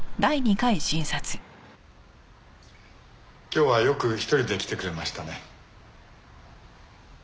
今日はよく１人で来てくれましたね。